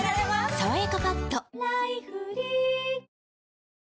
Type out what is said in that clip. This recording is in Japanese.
「さわやかパッド」